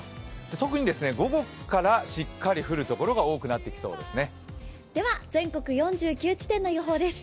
特に午後からしっかり降る所が多くなってきそうですね。